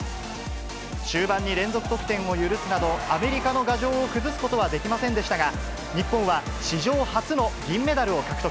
終盤に連続得点を許すなど、アメリカの牙城を崩すことはできませんでしたが、日本は史上初の銀メダルを獲得。